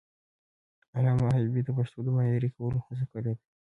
علامه حبيبي د پښتو د معیاري کولو هڅه کړې ده.